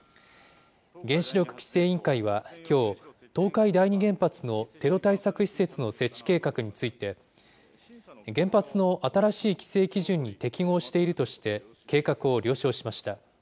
原子力規制委員会はきょう、東海第二原発のテロ対策施設の設置計画について、原発の新しい規制基準に適合しているとして、計画を了承しました。